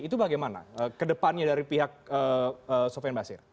itu bagaimana kedepannya dari pihak sofian basir